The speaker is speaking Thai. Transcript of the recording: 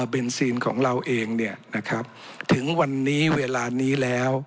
เบนซีนของเราเองเนี่ยนะครับถึงวันนี้เวลานี้แล้ว